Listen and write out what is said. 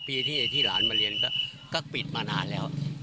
๔๕ปีที่ไม่ที่หลานมันเรียนก็ปิดมานานแล้ว